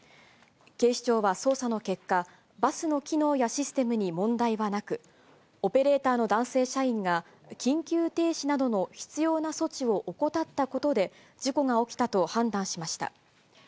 警視庁は捜査の結果、バスの機能やシステムに問題はなく、オペレーターの男性社員が緊急停止などの必要な措置を怠ったことで、事故が起きたと判断しました。